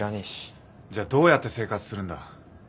じゃあどうやって生活するんだ？